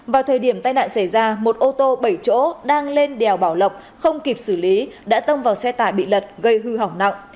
vào thời điểm tai nạn xảy ra một ô tô bảy chỗ đang lên đèo bảo lộc không kịp xử lý đã tông vào xe tải bị lật gây hư hỏng nặng